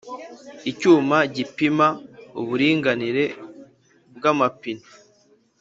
Icyuma gipima uburinganire bw’amapine.